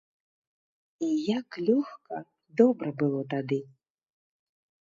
І як лёгка, добра было тады!